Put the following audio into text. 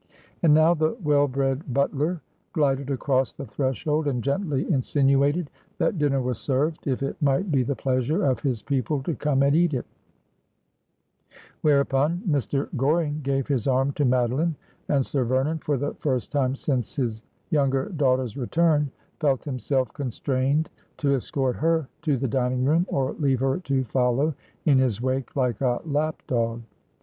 And now the well bred butler glided across the threshold, and gently insinuated that dinner was served, if it might be the pleasure of his people to come and eat it : whereupon Mr. Goring gave his arm to Madoline, and Sir Vernon for the first time since his younger daughter's return felt himself con strained to escort her to the dining room, or leave her to follow in his wake like a lap dog.